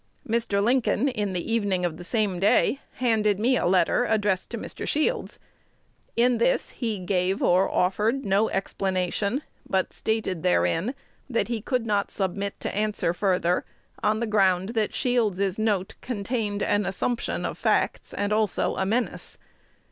Mr. Lincoln, in the evening of the same day, handed me a letter addressed to Mr. Shields. In this he gave or offered no explanation, but stated therein that he could not submit to answer further, on the ground that Shields's note contained an assumption of facts and also a menace.